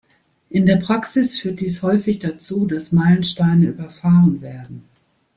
In der Praxis führt dies häufig dazu, dass Meilensteine „überfahren“ werden.